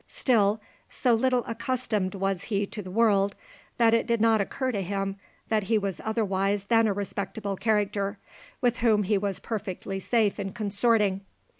Still, so little accustomed was he to the world, that it did not occur to him that he was otherwise than a respectable character, with whom he was perfectly safe in consorting.